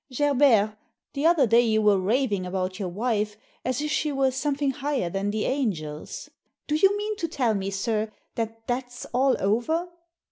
"Gerbert, the other day you were raving about your wife as if she were something higher than the angels. Do you mean to tell me, sir, that that's all over?"